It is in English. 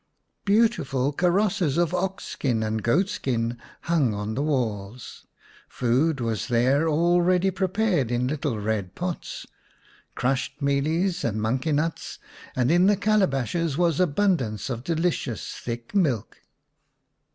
Beautiful karosses 1 of ox skin and goat skin hung on the walls ; food was there all ready prepared in little red pots, crushed mealies and monkey nuts ; and in the calabashes was abundance of delicious thick milk.